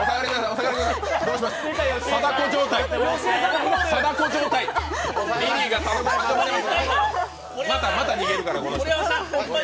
盛山さん、また逃げるから、この人。